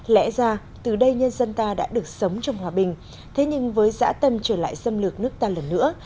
lẽ ra từ đây nhân dân ta đã được sống trong hòa bình thế nhưng với giã tâm trở lại xâm lược nước ta lần nữa